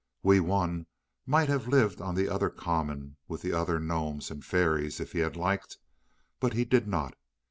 Wee Wun might have lived on the other common with the other gnomes and fairies if he had liked; but he did not.